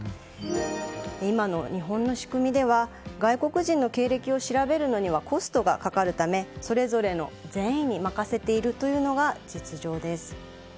今の日本の仕組みでは外国人の経歴を調べるのにはコストがかかるため、それぞれの善意に任せているのが実情です。